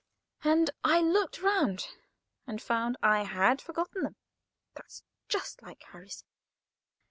And I looked round, and found I had forgotten them. That's just like Harris.